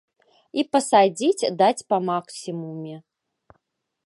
І пасадзіць, даць па максімуме.